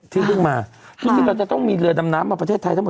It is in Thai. ถ้าจำไม่ผิดไม่แน่ใจนะคะ